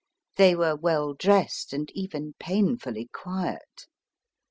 They were well dressed and even painfully quiet.